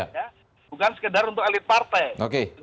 bukan sekedar untuk elit partai